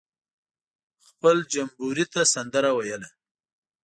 خپل جمبوري ته سندره ویله.